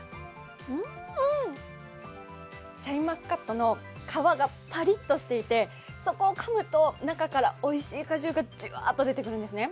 うーん、シャインマスカットの皮がパリッとしていて、そこをかむと中からおいしい果汁がじゅわっと出てくるんですね。